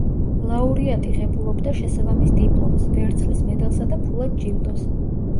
ლაურეატი ღებულობდა შესაბამის დიპლომს, ვერცხლის მედალსა და ფულად ჯილდოს.